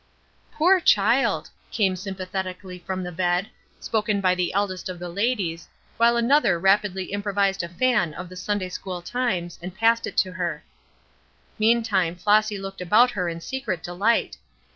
"Poor child!" came sympathetically from the bed, spoken by the eldest of the ladies, while another rapidly improvised a fan out of the Sunday School Times, and passed it to her. Meantime Flossy looked about her in secret delight.